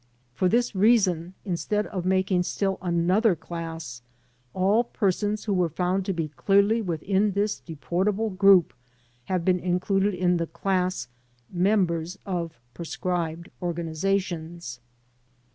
For this reason instead of making still another class, all persons who were found to be clearly within this deportable group, have been included in the class "members of proscribed organizations."